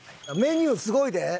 メニューすごいで！